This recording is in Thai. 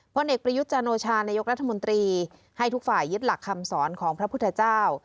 พลเอกประยุทธ์จันโอชานายกรัฐมนตรีให้ทุกฝ่ายยึดหลักคำสอนของพระพุทธเจ้า